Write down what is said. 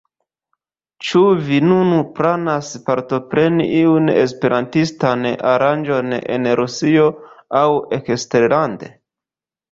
Ĉu vi nun planas partopreni iun esperantistan aranĝon en Rusio aŭ eksterlande?